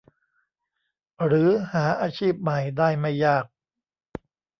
หรือหาอาชีพใหม่ได้ไม่ยาก